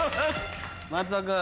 松尾君。